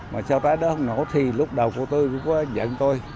mà sao trái đó không nổi thì lúc đầu cô tôi cũng có giận tôi